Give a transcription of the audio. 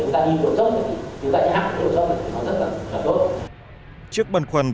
thì chúng ta nhắc tổ chức là nó rất là tốt